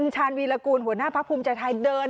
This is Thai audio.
เอาอย่างนี้แล้วกันผมให้กำลังใจคุณ